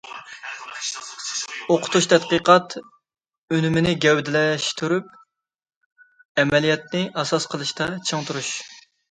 ئوقۇتۇش تەتقىقات ئۈنۈمىنى گەۋدىلەشتۈرۈپ، ئەمەلىيەتنى ئاساس قىلىشتا چىڭ تۇرۇش.